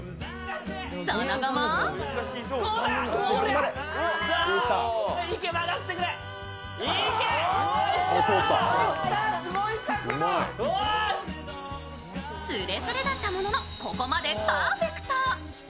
その後もすれすれだったものの、ここまでパーフェクト。